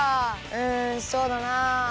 うんそうだなあ。